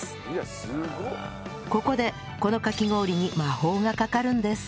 ここでこのかき氷に魔法がかかるんです